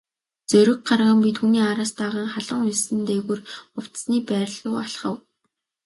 Зориг гарган би түүний араас даган халуун элсэн дээгүүр хувцасны байр руу алхав.